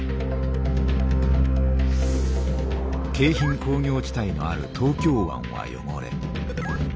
京浜工業地帯のある東京湾は汚れ